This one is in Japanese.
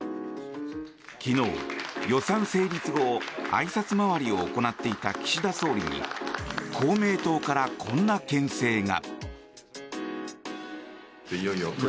昨日、予算成立後あいさつ回りを行っていた岸田総理に公明党からこんなけん制が。